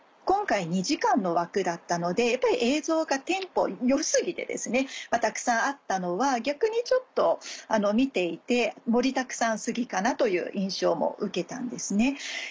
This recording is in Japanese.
今回２時間の枠だったのでやっぱり映像がテンポ良過ぎてたくさんあったのは逆にちょっと見ていて盛りだくさん過ぎかな？という印象も受けたんですね。